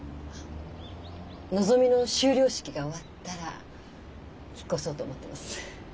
のぞみの終了式が終わったら引っ越そうと思ってます。